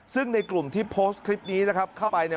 ซึ่งในกลุ่มที่โพสต์คลิปนี้เข้าไป